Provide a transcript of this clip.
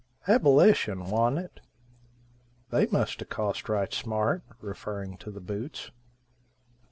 "Abolish'n wan't it? They must a cost right smart," referring to the boots.